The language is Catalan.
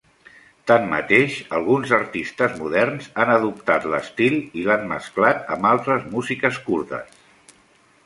Tanmateix, alguns artistes moderns han adoptat l'estil i l'han mesclat amb altres músiques kurdes.